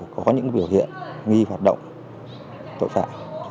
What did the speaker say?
có những biểu hiện nghi hoạt động tội phạm